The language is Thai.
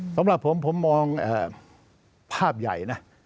สำหรับผมผมมองภาพใหญ่นะ